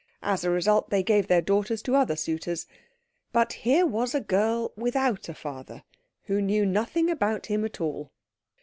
As a result, they gave their daughters to other suitors. But here was a girl without a father, who knew nothing about him at all.